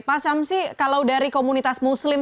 pak syamsi kalau dari komunitas muslim